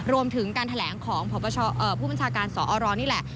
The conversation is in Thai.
รวมถึงการแถลงของผู้บัญชาการสอรนี่แหละ